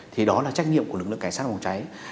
thì đó là trách nhiệm của lực lượng cảnh sát phòng cháy